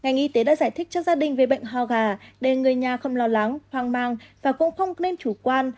ngành y tế đã giải thích cho gia đình về bệnh ho gà để người nhà không lo lắng hoang mang và cũng không nên chủ quan